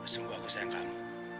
sungguh aku sayang kamu